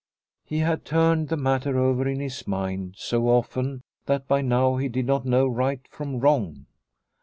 He had turned the matter over in his mind so often that by now he did not know right from wrong.